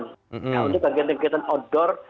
nah untuk kegiatan kegiatan outdoor